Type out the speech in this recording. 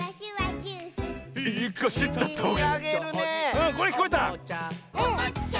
うんこれきこえた！